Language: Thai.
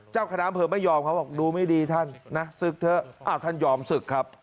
เจ้าคณะอำเภอไม่ยอมเขาบอกดูไม่ดีท่านนะศึกเถอะท่านยอมศึกครับ